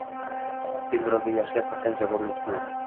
Sen birovga yaxshilik qilsang, javobini kutma.